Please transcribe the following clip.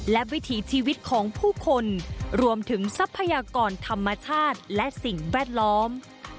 และวิถีชีวิตของผู้คนรวมถึงทรัพยากรธรรมชาติและสิ่งแวดล้อม